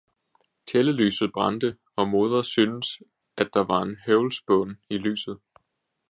tællelyset brændte, og moder syntes at der var en høvlspån i lyset.